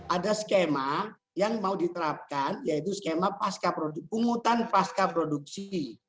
ada skema yang mau diterapkan yaitu skema pungutan pasca produksi